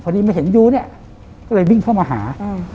เพราะนี่ไม่เห็นอยู่เนี่ยก็เลยวิ่งเข้ามาหา